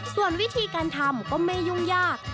ส่วนวิธีการทำก็ไม่ยุ่งยาก